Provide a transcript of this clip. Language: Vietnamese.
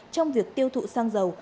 trong việc tiêu thụ săng dầu